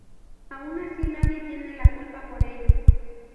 Aun así nadie tiene la culpa por ello.